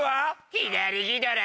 左ギドラ。